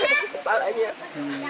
ketika dianggap terlalu banyak